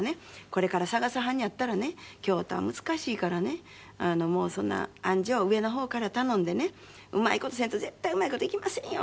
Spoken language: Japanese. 「これから探さはんねやったらね京都は難しいからねあんじょう上の方から頼んでねうまい事せんと絶対うまい事いきませんよ」